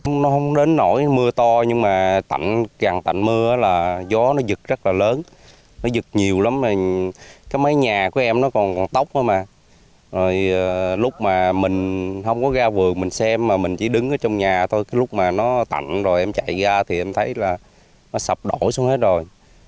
không có ra vườn mình xem mà mình chỉ đứng ở trong nhà thôi lúc mà nó tặng rồi em chạy ra thì em thấy là nó sập đổ xuống hết rồi